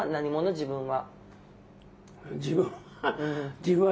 自分は？